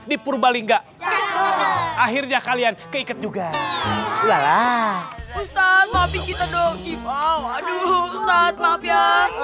di purbalingga akhirnya kalian keikat juga lalai lalai kita doki mau aduh saat maaf ya